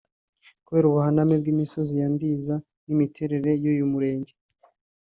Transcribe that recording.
Kubera ubuhaname bw’imisozi ya Ndiza n’imiterere y’uyu murenge